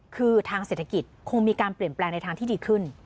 คือทางเศรษฐกิจคงมีการเปลี่ยนแปลงในทางที่ดีขึ้น